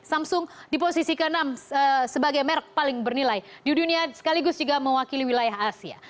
samsung di posisi ke enam sebagai merek paling bernilai di dunia sekaligus juga mewakili wilayah asia